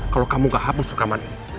kalau kamu gak hapus rekaman ini